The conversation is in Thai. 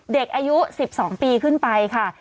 เด็กอายุ๑๒ปีขึ้นไปค่ะ